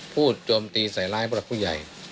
โจมตีใส่ร้ายผู้หลักผู้ใหญ่